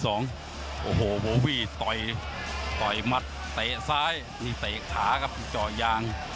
โอ้โหโบวี่ต่อยต่อยมัดเตะซ้ายนี่เตะขาครับเจาะยาง